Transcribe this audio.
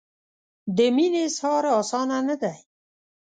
د مینې اظهار اسانه نه دی.